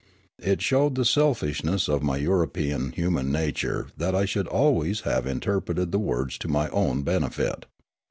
It showed the selfishness of my European human nature that I should always have in terpreted the words to my own benefit.